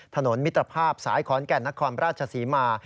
ถนนมิตรภาพสายขอนแก่นนักความราชสีมา